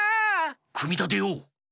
くみたてよう！